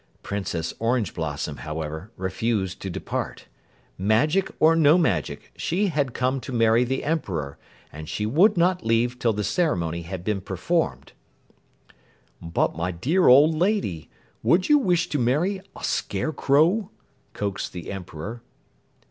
Princess Orange Blossom, however, refused to depart. Magic or no magic, she had come to marry the Emperor, and she would not leave till the ceremony had been performed. "But my dear old Lady, would you wish to marry a Scarecrow?" coaxed the Emperor.